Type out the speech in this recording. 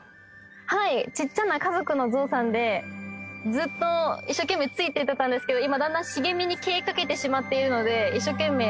はいちっちゃな家族の象さんでずっと一生懸命ついていってたんですけど今だんだん茂みに消えかけてしまっているので一生懸命